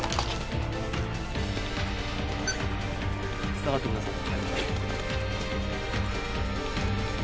下がってください。